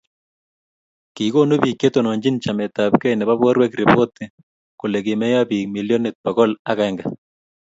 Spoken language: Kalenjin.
kikonu biik che tononchini chametabgei nebo borwek ripotit kole kimeyo biik milionit bokol agenge